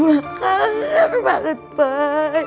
mak kangen banget boy